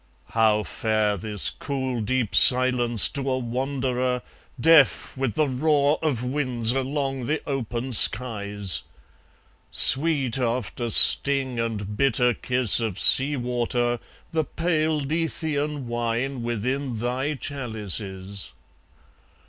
How fair this cool deep silence to a wanderer Deaf with the roar of winds along the open skies! Sweet, after sting and bitter kiss of sea water, The pale Lethean wine within thy chalices!